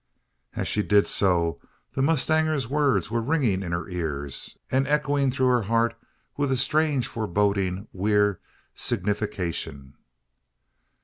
As she did so, the mustanger's words were ringing in her ears, and echoing through her heart with a strange foreboding weird signification.